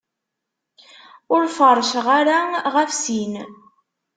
Ur feṛṛceɣ ara ɣef sin.